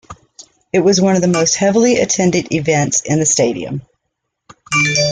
It was one of the most heavily attended events in the stadium.